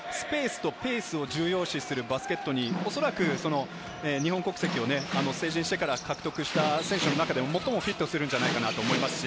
ホーバスＨＣが望むような、スペースとペースを重要視するバスケットに、おそらく日本国籍を成人してから獲得した選手の中で最もフィットするんじゃないかと思います。